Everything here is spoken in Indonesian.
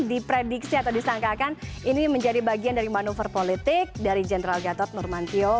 diprediksi atau disangkakan ini menjadi bagian dari manuver politik dari general gatot nurmantio